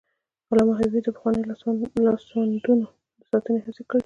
علامه حبيبي د پخوانیو لاسوندونو د ساتنې هڅې کړي.